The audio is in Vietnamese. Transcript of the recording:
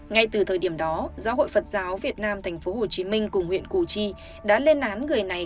ngay từ thời điểm đó giáo hội phật giáo việt nam tp hcm cùng huyện củ chi đã lên án người này